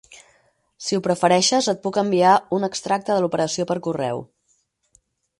Si ho prefereixes et puc enviar un extracte de l'operació per correu.